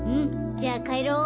じゃあかえろう。